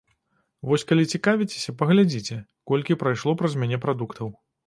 Вось калі цікавіцеся, паглядзіце, колькі прайшло праз мяне прадуктаў.